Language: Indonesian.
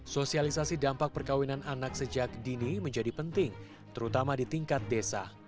sosialisasi dampak perkawinan anak sejak dini menjadi penting terutama di tingkat desa